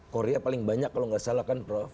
korea paling banyak kalau nggak salah kan prof